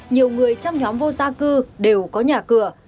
nhiều người trong nhóm vô gia cư đều có nhà cửa